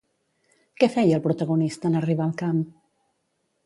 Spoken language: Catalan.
Què feia el protagonista en arribar al camp?